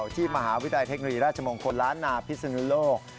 ที่มหาวิทยาลัยเทคโนโลยีราชมงคลล้านนาพิศนุโลก